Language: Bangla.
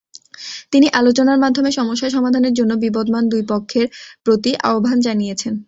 তিনি আলোচনার মাধ্যমে সমস্যা সমাধানের জন্য বিবদমান দুই পক্ষের প্রতি আহ্বান জানিয়েছেন।